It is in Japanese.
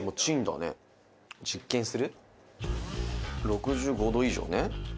「６５度以上ね」